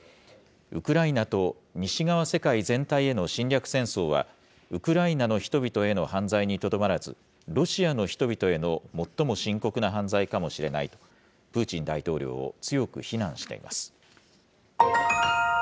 ウクライナと西側世界全体への侵略戦争は、ウクライナの人々への犯罪にとどまらず、ロシアの人々への最も深刻な犯罪かもしれないと、プーチン大統領を強く非難しています。